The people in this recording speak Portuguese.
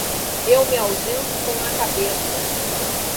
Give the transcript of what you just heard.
Eu me ausento com a cabeça.